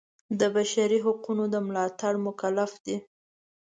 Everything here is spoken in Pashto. د بشري حقونو د ملاتړ مکلف دی.